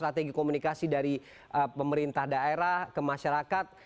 strategi komunikasi dari pemerintah daerah ke masyarakat